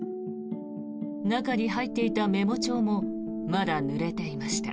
中に入っていたメモ帳もまだぬれていました。